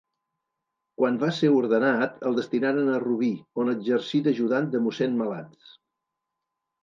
Quan va ser ordenat, el destinaren a Rubí, on exercí d'ajudant de mossèn Malats.